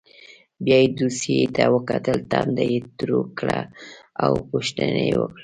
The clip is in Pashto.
بیا یې دوسیې ته وکتل ټنډه یې تروه کړه او پوښتنه یې وکړه.